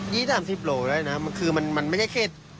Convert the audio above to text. ๒๐๓๐โลกรัมได้นะคือมันไม่ใช่เครต